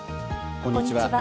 こんにちは。